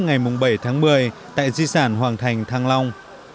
ngày bảy tháng một mươi tại di sản hoàng thành thăng long